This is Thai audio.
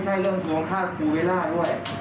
ใช่เรื่องของฆาตภูเวลาครับ